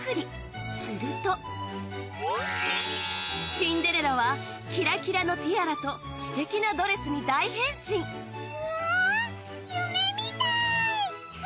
シンデレラはキラキラのティアラとすてきなドレスに大変身わぁ夢みたい！